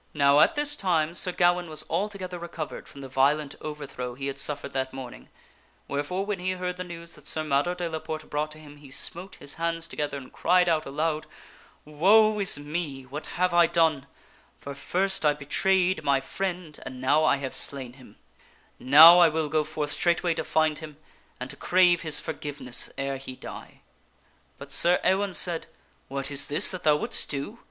Now at this time Sir Gawaine was altogether recovered from the violent overthrow he had suffered that morning, wherefore when he heard the news that Sir Mador de la Porte brought to him, he smote his hands together and cried out aloud, " Woe is me ! what have I done ! For first 2 7 6 THE STORY OF SIR PELLIAS I betrayed my friend, and now I have slain him. Now I will go forth straightway to find him and to crave his forgiveness ere he die." But Sir Ewaine said, " What is this that thou wouldst do?